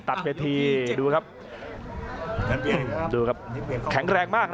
อัศวินาศาสตร์